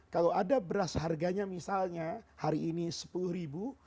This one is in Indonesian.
kalau ada beras harganya misalnya hari ini sepuluh ribu